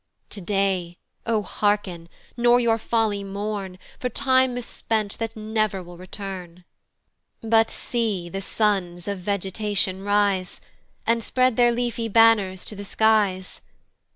To day, O hearken, nor your folly mourn For time mispent, that never will return. But see the sons of vegetation rise, And spread their leafy banners to the skies.